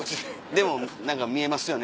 でも見えますよね